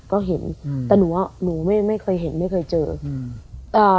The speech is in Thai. ก็เห็นอืมแต่หนูว่าหนูไม่ไม่เคยเห็นไม่เคยเจออืมอ่า